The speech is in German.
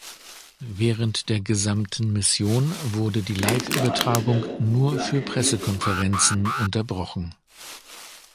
Während der gesamten Mission wurde die Live-Übertragung nur für Pressekonferenzen unterbrochen.